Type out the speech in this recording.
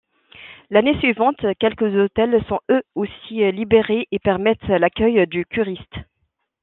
L'année suivante, quelques hôtels sont eux aussi libérés et permettent l'accueil de curistes.